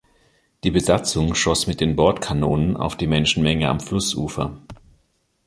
Die Besatzung schoss mit den Bordkanonen auf die Menschenmenge am Flussufer.